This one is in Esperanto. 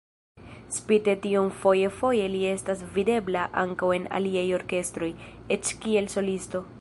Spite tion foje-foje li estas videbla ankaŭ en aliaj orkestroj, eĉ kiel solisto.